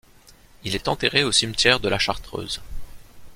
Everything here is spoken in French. Il est enterré au cimetière de la Chartreuse.